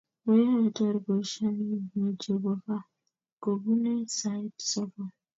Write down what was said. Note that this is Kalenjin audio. moiatar boisioniknyu chebo kaa kobunee sait sokol